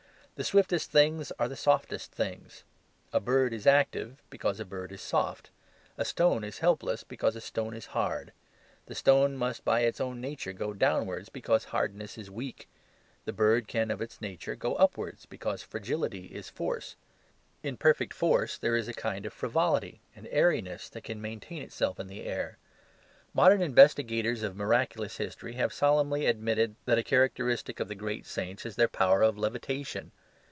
The swiftest things are the softest things. A bird is active, because a bird is soft. A stone is helpless, because a stone is hard. The stone must by its own nature go downwards, because hardness is weakness. The bird can of its nature go upwards, because fragility is force. In perfect force there is a kind of frivolity, an airiness that can maintain itself in the air. Modern investigators of miraculous history have solemnly admitted that a characteristic of the great saints is their power of "levitation."